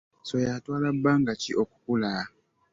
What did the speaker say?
Ssoya atwala bbanga ki okukula?